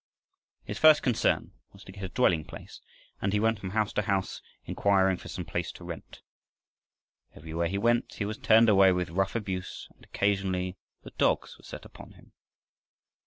His first concern was to get a dwelling place, and he went from house to house inquiring for some place to rent. Everywhere he went he was turned away with rough abuse, and occasionally the dogs were set upon him.